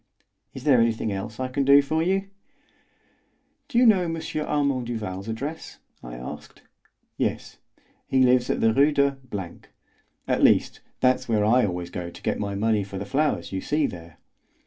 Is there anything else I can do for you?" "Do you know M. Armand Duval's address?" I asked. "Yes; he lives at Rue de ——; at least, that's where I always go to get my money for the flowers you see there."